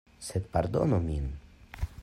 Sed pardonu min.